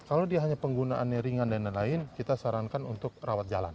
kalau dia hanya penggunaannya ringan dan lain lain kita sarankan untuk rawat jalan